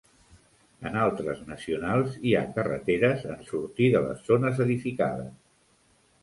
En altres nacionals, hi ha carreteres en sortir de les zones edificades.